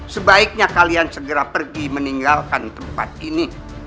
sebaiknya kalian segera pergi meninggalkan tempat ini